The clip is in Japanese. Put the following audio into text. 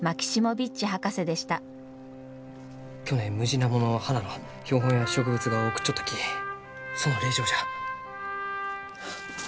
去年ムジナモの花の標本や植物画を送っちょったきその礼状じゃ。